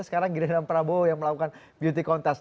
sekarang giliran prabowo yang melakukan beauty contest